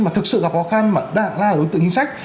mà thực sự gặp khó khăn mà đạng ra đối tượng chính sách